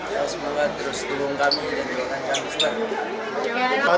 ya semuanya terus dukung kami dan doakan kami selanjutnya